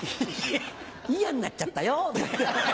「嫌になっちゃったよ」。